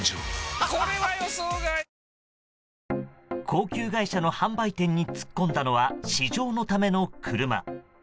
高級外車の販売店に突っ込んだのは試乗のための車。